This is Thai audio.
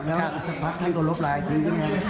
แล้วอีกสักพักท่านก็ลบรายคุยยังไง